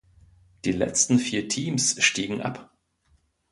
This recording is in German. Die letzten vier Teams stiegen ab.